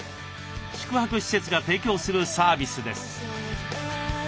宿泊施設が提供するサービスです。